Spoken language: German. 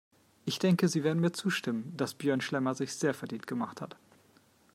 Ich denke, Sie werden mir zustimmen, dass Björn Schlemmer sich sehr verdient gemacht hat.